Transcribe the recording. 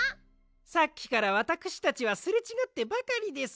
さっきからわたくしたちはすれちがってばかりです。